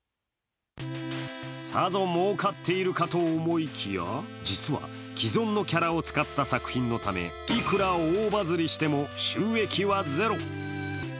さぞ儲かっているかと思いきや、実は既存のキャラを使った作品のためいくら大バズりしても収益はゼロ。